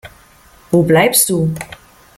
Wo bleibst du?